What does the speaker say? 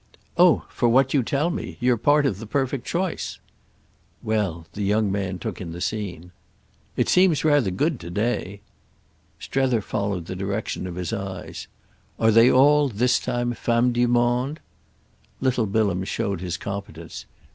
"Oh for what you tell me. You're part of the perfect choice." Well, the young man took in the scene. "It seems rather good to day." Strether followed the direction of his eyes. "Are they all, this time, femmes du monde?" Little Bilham showed his competence.